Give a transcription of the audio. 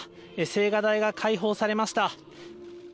青瓦台が開放されました。